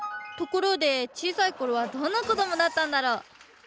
ところでちいさい頃はどんな子どもだったんだろう？